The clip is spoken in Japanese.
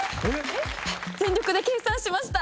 全力で計算しました。